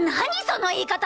その言い方！